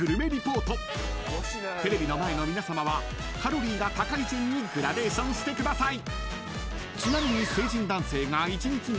［テレビの前の皆さまはカロリーが高い順にグラデーションしてください］